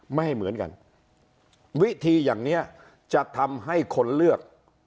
ไม่ให้เหมือนกันวิธีอย่างนี้จะทำให้คนเลือก